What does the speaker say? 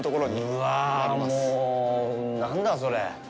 うわあ、もう何だそれ。